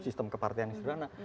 sistem kepartian yang sederhana